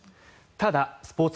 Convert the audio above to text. ただスポーツ